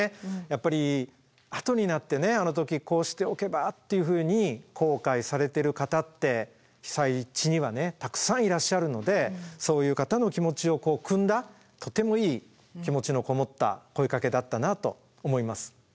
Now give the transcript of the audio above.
やっぱり後になって「あの時こうしておけば」っていうふうに後悔されてる方って被災地にはたくさんいらっしゃるのでそういう方の気持ちをくんだとてもいい気持ちのこもった声かけだったなと思います。